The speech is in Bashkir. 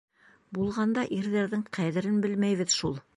Булғанда ирҙәрҙең ҡәҙерен белмәйбеҙ шул.